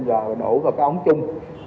và đổ vào các ống chung